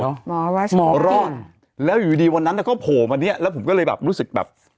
หมอกิ่งเหรอหมอกิ่งหมอรอดแล้วอยู่ดีวันนั้นเขาโผล่มาเนี่ยแล้วผมก็เลยรู้สึกแบบ